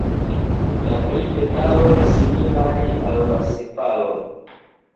La tri petaloj similaj al la sepaloj.